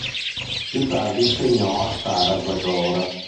Più tardi insegnò a Stara Zagora.